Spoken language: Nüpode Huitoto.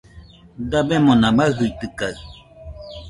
Dabemona maɨjitɨkaɨ